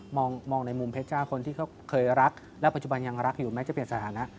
มองในมุมเพชรจ้าคนที่เขาเคยรักและปัจจุบันยังรักอยู่แม้จะเปลี่ยนสถานะ